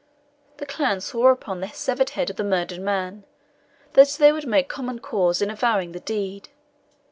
The clan swore upon the severed head of the murdered man, that they would make common cause in avowing the deed.